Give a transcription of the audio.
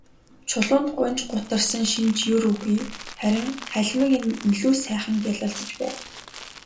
Чулуунд гуньж гутарсан шинж ер үгүй, харин халимаг нь илүү сайхан гялалзаж байв.